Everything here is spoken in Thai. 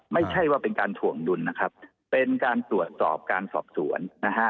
ไม่ใช่ว่าเป็นการถวงดุลเป็นการตรวจสอบการสอบส่วน